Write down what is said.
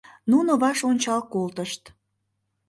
Нуно ваш ончал колтышт.